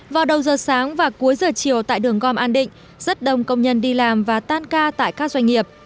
vào đầu giờ sáng và cuối giờ chiều tại đường gom an định rất đông công nhân đi làm và tan ca tại các doanh nghiệp